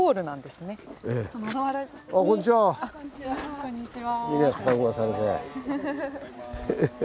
こんにちは。